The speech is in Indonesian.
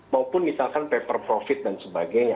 maupun misalkan paper profit dan sebagainya